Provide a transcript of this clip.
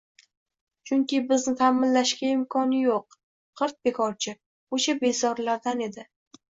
Chunki bizni ta'minlashga imkoni yo‘q, g‘irt bekorchi, ko‘cha bezorilardan edi